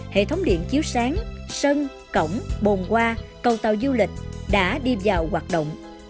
hệ thống điện chiếu sáng sân cổng bồn qua cầu tàu du lịch đã đi vào hoạt động